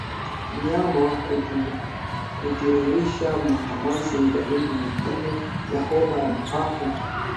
Mnyama kutiririsha makamasi ni dalili nyingine ya homa ya mapafu